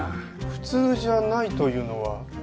普通じゃないというのは？